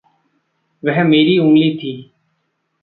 वह मेरी उँगली थी।